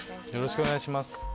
よろしくお願いします